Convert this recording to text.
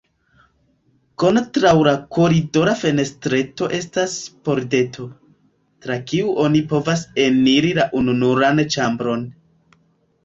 Kontraŭ la koridora fenestreto estas pordeto, tra kiu oni povas eniri la ununuran ĉambron.